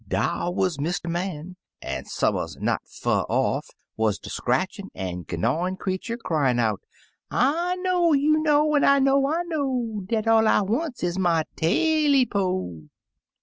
Dar wuz Mr. Man, an' some'rs not fur off wuz de scratchin* an* gnyawin* creetur, cryin' out —" *I know you know, an* I know I know, Dat all I wants is my Taily po!